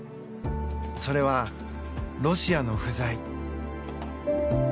それは、ロシアの不在。